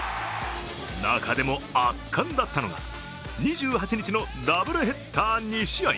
中でも圧巻だったのが２８日のダブルヘッダー２試合